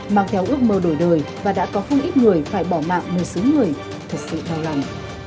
mang theo ước mơ đổi đời và đã có không ít người phải bỏ mạng một số người thật sự đau lòng